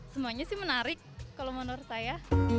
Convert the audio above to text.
semuanya sih menarik kalau menurut saya